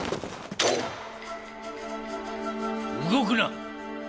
動くな！